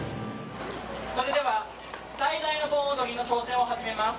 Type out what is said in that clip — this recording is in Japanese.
それでは最大の盆踊りの挑戦を始めます。